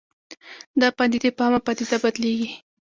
دا پدیدې په عامه پدیده بدلېږي